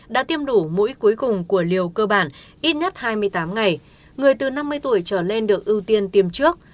đã tiêm đủ mũi cuối cùng của liều cơ bản ít nhất hai mươi tám ngày người từ năm mươi tuổi trở lên được ưu tiên tiêm trước